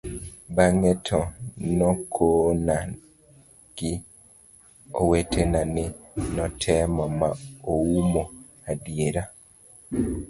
bang'e to nokona gi owetena ni notemo ma oumo adiera